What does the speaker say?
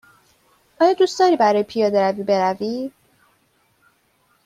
آیا دوست داری برای پیاده روی بروی؟